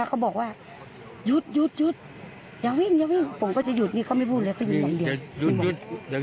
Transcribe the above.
ก็เลยยิงสวนไปแล้วถูกเจ้าหน้าที่เสียชีวิต